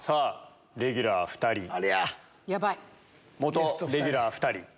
レギュラー２人元レギュラー２人。